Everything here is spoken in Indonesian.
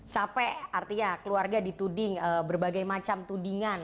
capek artinya keluarga dituding berbagai macam tudingan